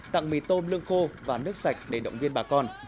tặng mì tôm lương khô và nước sạch để động viên bà con